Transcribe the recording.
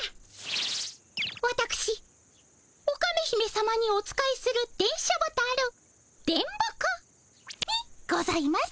わたくしオカメ姫さまにお仕えする電書ボタル電ボ子にございます。